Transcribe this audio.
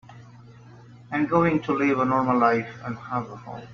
I'm going to live a normal life and have a home.